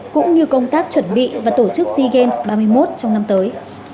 cũng như công tác chuẩn bị và tổ chức sea games ba mươi một trong năm tới